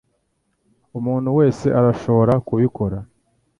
Umuntu wese arashobora kubikora.